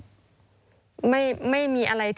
มีบอกว่าเป็นผู้การหรือรองผู้การไม่แน่ใจนะคะที่บอกเราในโทรศัพท์